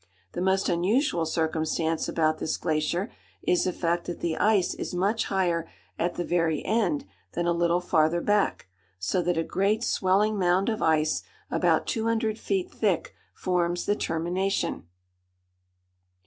The most unusual circumstance about this glacier is the fact that the ice is much higher at the very end than a little farther back, so that a great, swelling mound of ice, about 200 feet thick, forms the termination.